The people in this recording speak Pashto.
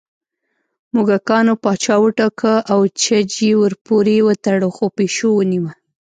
موږکانو پاچا وټاکه او چج یې ورپورې وتړه خو پېشو ونیوه